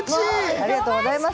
ありがとうございます。